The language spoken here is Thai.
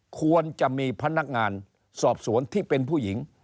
ควรจะมีพนักงานสอบสวนที่เป็นผู้หญิง